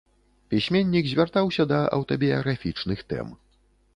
Пісьменнік звяртаўся да аўтабіяграфічных тэм.